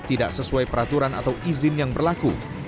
tidak sesuai peraturan atau izin yang berlaku